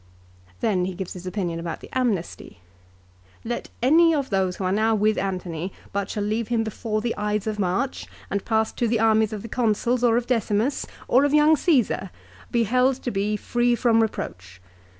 Then he gives his opinion about the amnesty. "Let any of those who are now with Antony, but shall leave him before the Ides of March and pass to the armies of the Consuls or of Decimus, or of young Csesar, be held to be free from reproach.